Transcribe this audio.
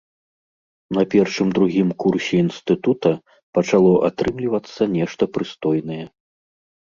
На першым-другім курсе інстытута пачало атрымлівацца нешта прыстойнае.